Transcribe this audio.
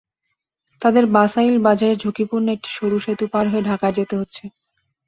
তাদের বাসাইল বাজারের ঝুঁকিপূর্ণ একটি সরু সেতু পার হয়ে ঢাকায় যেতে হচ্ছে।